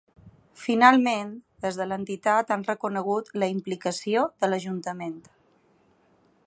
Finalment, des de l’entitat han reconegut “la implicació de l’Ajuntament”.